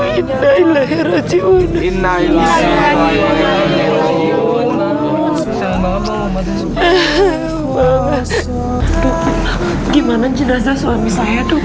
gimana jenazah suami saya tuh